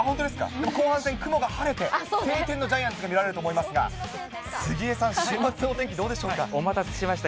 後半戦、雲が晴れて、晴天のジャイアンツが見られると思いますが、杉江さん、お待たせしました。